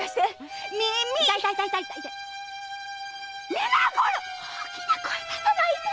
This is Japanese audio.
皆殺し⁉大きな声出さないで！